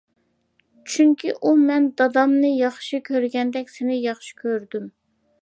چۈنكى ئۇ مەن دادامنى ياخشى كۆرگەندەك سېنى ياخشى كۆرىدۇ.